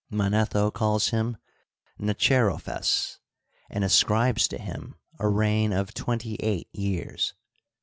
Manetho calls him Nechero phes, and ascribes to him a reign of twenty eight years.